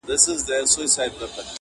ما یوه شېبه لا بله ځنډولای٫